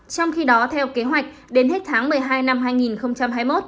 trong khi đó theo kế hoạch đến hết tháng một mươi hai năm hai nghìn hai mươi một